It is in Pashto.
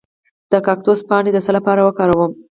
د کاکتوس پاڼې د څه لپاره وکاروم؟